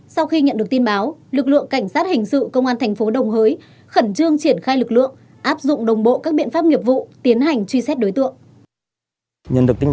sau khi cho mượn thì ông hỏi không liên lạc được với phấn